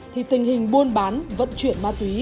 thì tình hình buôn bán vận chuyển ma túy